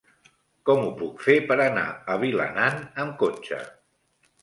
Com ho puc fer per anar a Vilanant amb cotxe?